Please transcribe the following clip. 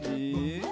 うん。